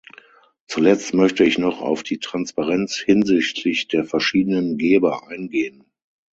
Zuletzt möchte ich noch auf die Transparenz hinsichtlich der verschiedenen Geber eingehen.